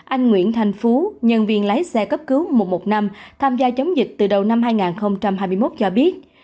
anh nguyễn thành phú nhân viên lái xe cấp cứu một trăm một mươi năm tham gia chống dịch từ đầu năm hai nghìn hai mươi một cho biết